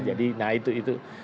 jadi nah itu itu